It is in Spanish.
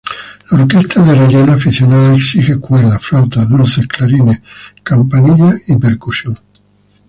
La orquesta de relleno aficionada exige cuerdas, flautas dulces, clarines, campanillas y percusión.